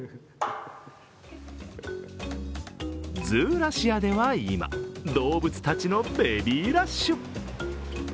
ズーラシアでは今、動物たちのベビーラッシュ。